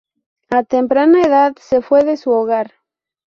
A temprana edad se fue de su hogar.